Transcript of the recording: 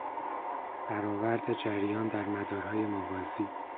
برآورد جریان در مدارهای موازی